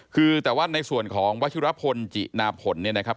คือแต่ว่าในส่วนของวัชิรพลจินาผลเนี่ยนะครับ